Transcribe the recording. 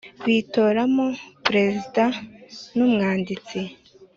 bitoramo Perezida n ,umwanditsi